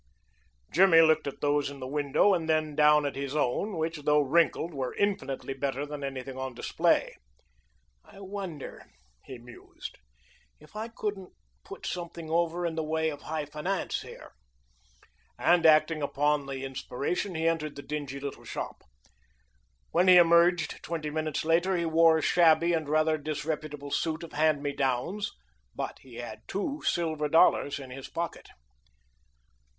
Jimmy looked at those in the window and then down at his own, which, though wrinkled, were infinitely better than anything on display. "I wonder," he mused, "if I couldn't put something over in the way of high finance here," and, acting upon the inspiration, he entered the dingy little shop. When he emerged twenty minutes later he wore a shabby and rather disreputable suit of hand me downs, but he had two silver dollars in his pocket.